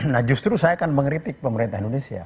nah justru saya akan mengeritik pemerintah indonesia